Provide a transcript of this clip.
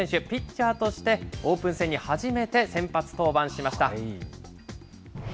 ピッチャーとしてオープン戦に初めて先発登板しました。